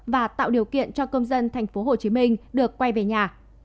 và tạo điều kiện cho công dân thành phố hồ chí minh được quay về nhà